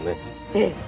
ええ。